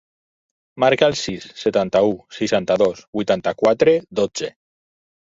Marca el sis, setanta-u, seixanta-dos, vuitanta-quatre, dotze.